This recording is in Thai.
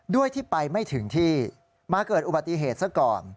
ด้วยที่ไปไม่ถึงที่มาเกิดอุบัติเหตุซะก่อน